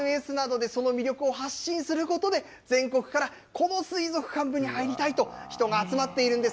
ＳＮＳなどでその魅力を発信することで全国からこの水族館部に入りたいと人が集まっているんです。